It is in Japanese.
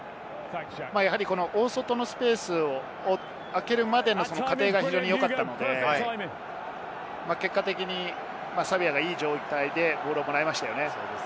大外のスペースを空けるまでの過程が非常によかったので、結果的にサヴェアがいい状態でボールをもらいましたよね。